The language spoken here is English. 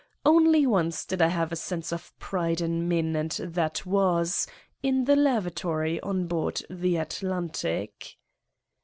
Only once did I have a sense of pride in men and that was in the lavatory on board the l Atlantic.'